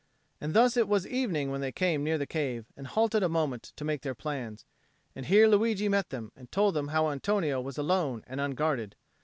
And thus it was evening when they came near the cave and halted a moment to make their plans; and here Luigi met them and told them how Antonio was alone and unguarded.